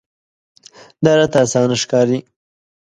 دا راته اسانه ښکاري.